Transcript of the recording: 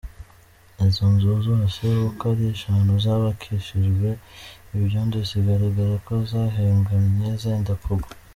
Izo nzu zose uko ari eshanu zubakishijwe ibyondo, zigaragaraga ko zahengamye zenda kugwa.